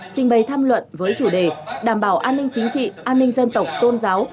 trình bày tham luận với chủ đề đảm bảo an ninh chính trị an ninh dân tộc tôn giáo